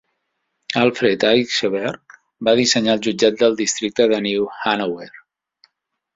Alfred Eichberg va dissenyar el jutjat del districte de New Hanover.